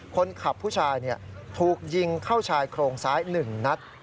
ผู้ชายถูกยิงเข้าชายโครงซ้าย๑นัด